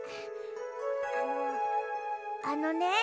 あのあのね。